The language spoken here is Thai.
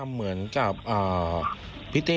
เหมือนกับพี่เต้